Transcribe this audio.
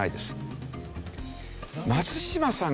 松嶋さん